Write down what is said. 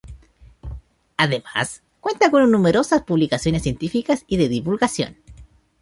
Además, cuenta con numerosas publicaciones científicas y de divulgación.